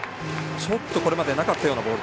これまでなかったようなボール。